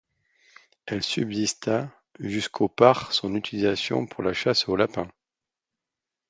Elle subsista jusqu'au par son utilisation pour la chasse au lapin.